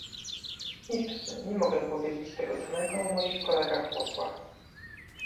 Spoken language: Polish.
Niestety nie mogę powiedzieć tego samego o moich kolegach posłach